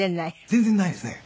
全然ないですね。